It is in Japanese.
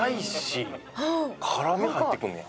辛み入ってくんねや。